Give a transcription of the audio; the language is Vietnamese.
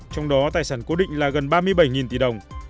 trong đó tài sản cố định là gần ba mươi bảy tỷ đồng